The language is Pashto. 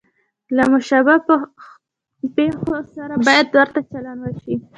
له مشابه پېښو سره باید ورته چلند وشي.